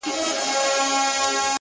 هغې پرون زما د قتل دسيسه جوړه کړه’